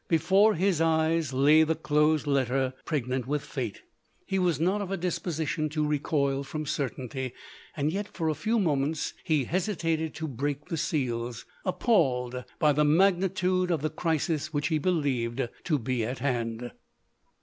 Before his eyes lav the closed letter pregnant with fate. He 238 L O D O R E. was not of a disposition to recoil from certainty; and yet for a few moments lie hesitated to break the seals — appalled by the magnitude of the crisis wbicb he believed to be at hand.